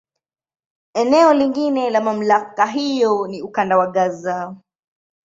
Eneo lingine la MamlakA hiyo ni Ukanda wa Gaza.